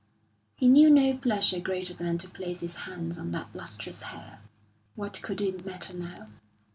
He knew no pleasure greater than to place his hands on that lustrous hair. What could it matter now?